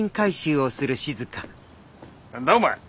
何だお前。